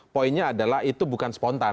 poinnya adalah itu bukan spontan